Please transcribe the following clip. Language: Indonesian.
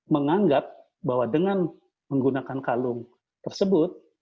menganggap bahwa dengan menggunakan kalung tersebut